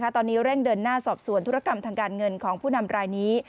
ตอนนี้เร่งเดินหน้าสอบสวนธุรกรรมทางการเงินของผู้นำรายนี้